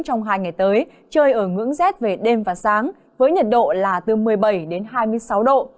trong hai ngày tới trời ở ngưỡng rét về đêm và sáng với nhiệt độ là từ một mươi bảy đến hai mươi sáu độ